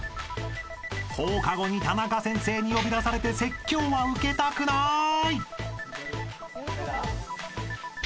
［放課後にタナカ先生に呼び出されて説教は受けたくない］